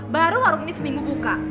baru warung ini seminggu buka